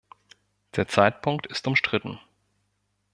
Der Zeitpunkt ist umstritten.